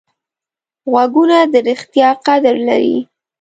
غوږونه د ریښتیا قدر لري